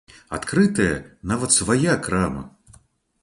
Адкрытая нават свая крама!